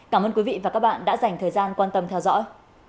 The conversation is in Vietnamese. cảm ơn quý vị và các bạn đã dành thời gian quan tâm theo dõi